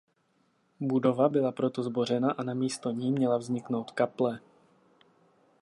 Budova byla proto zbořena a na místo ní měla vzniknout kaple.